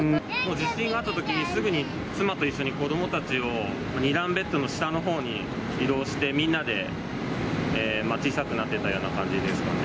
地震があったときに、すぐに妻と一緒に子どもたちを２段ベッドの下のほうに移動して、みんなで小さくなってたような感じですかね。